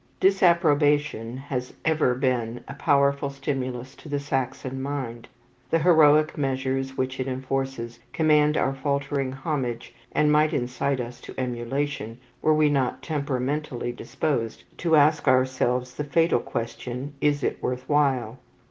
Disapprobation has ever been a powerful stimulus to the Saxon mind. The heroic measures which it enforces command our faltering homage, and might incite us to emulation, were we not temperamentally disposed to ask ourselves the fatal question, "Is it worth while?"